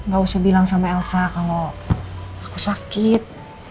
gak usah bilang sama elsa kalau aku sakit